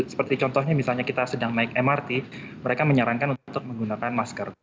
seperti contohnya misalnya kita sedang naik mrt mereka menyarankan untuk menggunakan masker